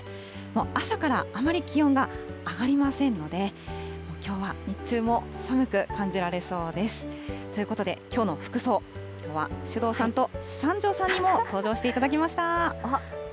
朝からあまり気温が上がりませんので、きょうは日中も寒く感じられそうです。ということで、きょうの服装、きょうは首藤さんと三條さんにも登うれしいな。